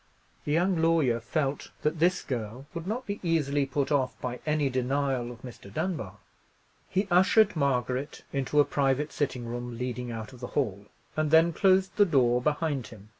The young lawyer felt that this girl would not be easily put off by any denial of Mr. Dunbar. He ushered Margaret into a private sitting room leading out of the hall, and then closed the door behind him.